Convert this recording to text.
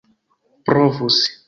provus